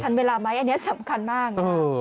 เวลาไหมอันนี้สำคัญมาก